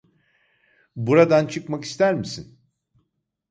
Buradan çıkmak ister misin?